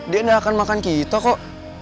dia gak akan makan kita kok